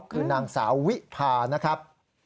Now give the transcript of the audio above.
คือนางสาววิพานะครับ